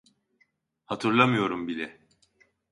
Hatırlamıyorum bile.